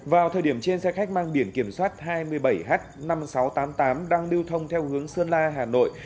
vào thời điểm trên xe khách mang biển kiểm soát hai mươi bảy h năm nghìn sáu trăm tám mươi tám đang lưu thông theo hướng sơn la hà nội